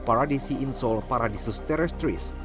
paradisi in sol paradisus terrestris